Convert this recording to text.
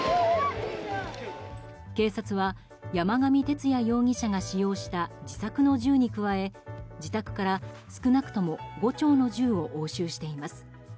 警察は、山上徹也容疑者が使用した自作の銃に加え自宅から少なくとも５丁の銃を押収しています。